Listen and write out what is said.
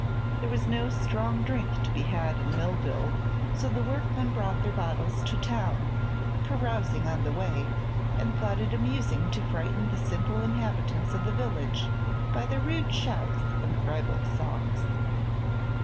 There was no strong drink to be had at Millville, so the workmen brought their bottles to town, carousing on the way, and thought it amusing to frighten the simple inhabitants of the village by their rude shouts and ribald songs.